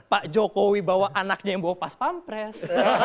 pak jokowi bawa anaknya yang bawa pas pampres